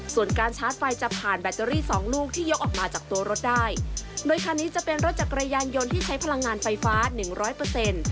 ส่วนการชาร์จไฟจะผ่านแบตเตอรี่สองลูกที่ยกออกมาจากตัวรถได้โดยคันนี้จะเป็นรถจักรยานยนต์ที่ใช้พลังงานไฟฟ้าหนึ่งร้อยเปอร์เซ็นต์